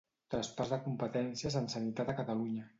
Traspàs de competències en sanitat a Catalunya.